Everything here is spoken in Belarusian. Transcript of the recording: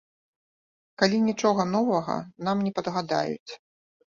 Калі нічога новага нам не падгадаюць.